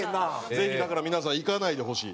ぜひだから皆さん行かないでほしい！